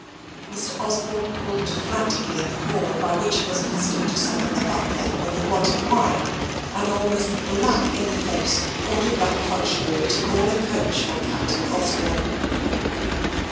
Mr. Osborne pulled frantically at the cord by which he was accustomed to summon the butler when he wanted wine and almost black in the face, ordered that functionary to call a coach for Captain Osborne.